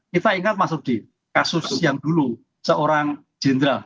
kita ingat mas rudi kasus yang dulu seorang jenderal